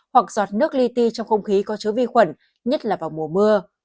hoặc giọt nước ly ti trong không khí có chứa vi khuẩn nhất là vào mùa mưa